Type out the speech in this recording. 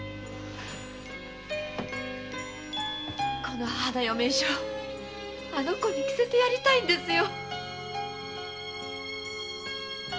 この花嫁衣装あの娘に着せてやりたいんですよ。